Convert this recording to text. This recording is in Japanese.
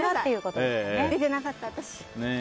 出てなかった、私。